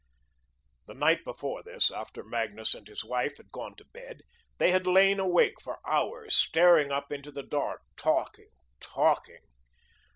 The night before this, after Magnus and his wife had gone to bed, they had lain awake for hours, staring up into the dark, talking, talking.